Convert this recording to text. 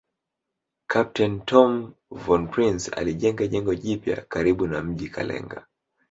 Kapteni Tom von Prince alijenga jengo jipya karibu na mji Kalenga